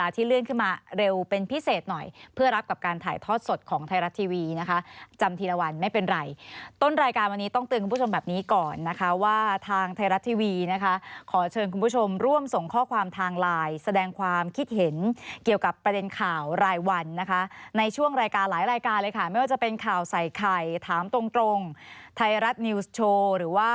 ที่เลื่อนขึ้นมาเร็วเป็นพิเศษหน่อยเพื่อรับกับการถ่ายทอดสดของไทยรัฐทีวีนะคะจำทีละวันไม่เป็นไรต้นรายการวันนี้ต้องเตือนคุณผู้ชมแบบนี้ก่อนนะคะว่าทางไทยรัฐทีวีนะคะขอเชิญคุณผู้ชมร่วมส่งข้อความทางไลน์แสดงความคิดเห็นเกี่ยวกับประเด็นข่าวรายวันนะคะในช่วงรายการหลายรายการเลยค่ะไม่ว่าจะเป็นข่าวใส่ไข่ถามตรงตรงไทยรัฐนิวส์โชว์หรือว่า